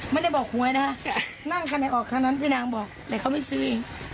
ไม่ได้บอกหวยนะนั่งข้างในออกเท่านั้นพี่นางบอกแต่เขาไม่ซื้อ